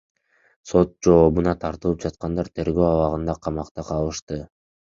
Сот жообуна тартылып жаткандар тергөө абагында камакта калышты.